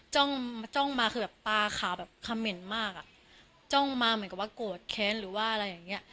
จ้องมาคือแบบปลาขาวแบบคำเหม็นมากอ่ะจ้องมาเหมือนกับว่าโกรธแค้นหรือว่าอะไรอย่างเงี้ย